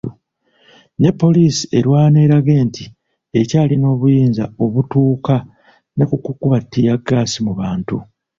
Ne Poliisi erwana erage nti ekyalina obuyinza obutuuka ne kukuba ttiyaggaasi mu bantu.